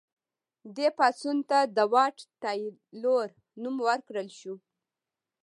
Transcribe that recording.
دې پاڅون ته د واټ تایلور نوم ورکړل شو.